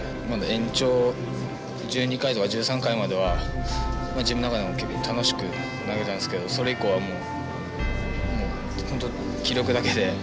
延長１２回とか１３回までは自分の中でも結構楽しく投げたんですけどそれ以降はもう本当気力だけで何も考えることができませんでした。